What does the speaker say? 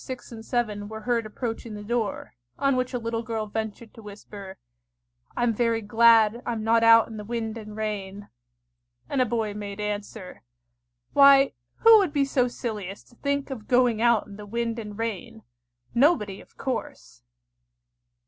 6 and 7 were heard approaching the door, on which a little girl ventured to whisper, "I'm very glad I'm not out in the wind and rain;" and a boy made answer, "Why, who would be so silly as to think of going out in the wind and rain? Nobody, of course!"